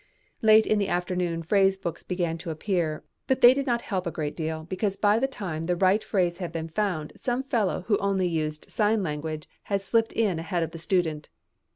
Late in the afternoon phrase books began to appear, but they did not help a great deal because by the time the right phrase had been found some fellow who used only sign language had slipped in ahead of the student.